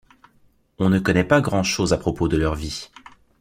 On ne connaît pas grand-chose à propos de leur vie.